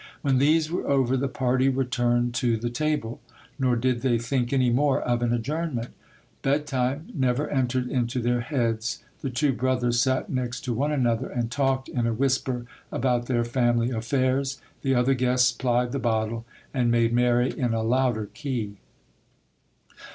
When these were over, the party returned to the HISTORY OF DON RAPHAEL. 181 table, nor did they think any more of an adjournment Bed time never entered into their heads. The two brothers sat next to one another, and talked in a whisper about their family affairs ; the other guests plied the bottle, and made merry in a louder key.